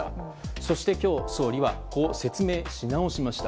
そして、今日総理は、こう説明し直しました。